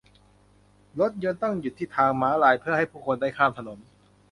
รถยนต์ต้องหยุดที่ทางม้าลายเพื่อให้ผู้คนได้ข้ามถนน